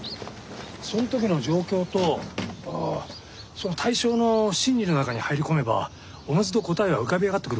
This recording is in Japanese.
その時の状況とその対象の心理の中に入り込めばおのずと答えは浮かび上がってくるもんなんだよ。